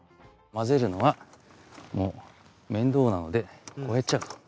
混ぜるのはもう面倒なのでこうやっちゃう。